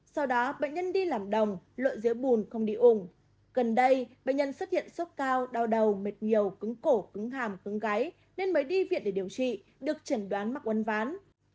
sau đó bệnh nhân đi làm đồng lội dưới bùn không đi ủng gần đây bệnh nhân xuất hiện sốt cao đau đầu mệt nhiều cứng cổ cứng hàm cứng gáy nên mới đi viện để điều trị được chẩn đoán mắc uốn ván